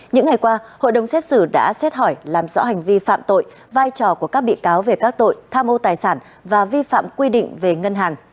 những ngày qua hội đồng xét xử đã xét hỏi làm rõ hành vi phạm tội vai trò của các bị cáo về các tội tham ô tài sản và vi phạm quy định về ngân hàng